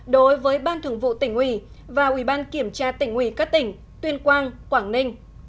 đối với ban thường vụ tỉnh ủy và ủy ban kiểm tra tỉnh ủy các tỉnh tuyên quang quảng ninh